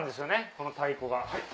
この太鼓が。